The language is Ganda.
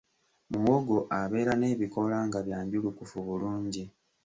Muwogo abeera n’ebikoola nga byanjulukufu bulungi.